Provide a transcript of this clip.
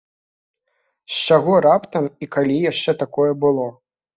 З чаго раптам, і калі яшчэ такое было?